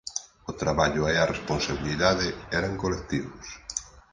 O traballo e a responsabilidade eran colectivos.